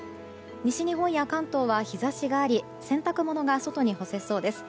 西日本や関東は日差しがあり洗濯物が外に干せそうです。